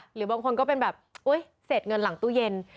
หรือบางคนก็เป็นแบบอุ๊ยเสร็จเงินหลังตู้เย็น